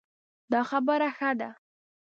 دا خبره ښه ده